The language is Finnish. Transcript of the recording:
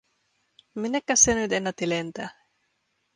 Minnekäs se nyt ennätti lentää?